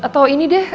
atau ini deh